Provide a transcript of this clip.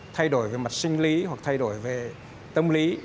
thay đổi về mặt sinh lý hoặc thay đổi về tâm lý